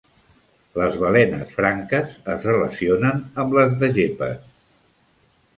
Les balenes franques es relacionen amb les de gepes.